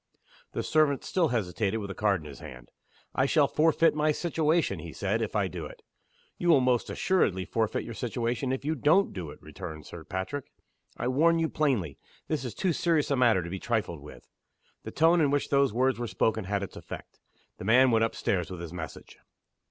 The servant still hesitated with the card in his hand. "I shall forfeit my situation," he said, "if I do it." "You will most assuredly forfeit your situation if you don't do it," returned Sir Patrick. "I warn you plainly, this is too serious a matter to be trifled with." The tone in which those words were spoken had its effect. The man went up stairs with his message.